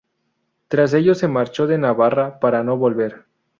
Tras ello se marchó de Navarra para no volver.